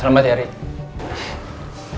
selamat ya riki